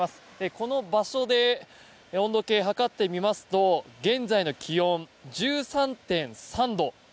この場所で温度計測ってみますと現在の気温１３．３度。